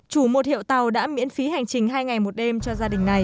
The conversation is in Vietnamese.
chủ một hiệu tàu đã miễn phí hành trình hai ngày một đêm cho gia đình này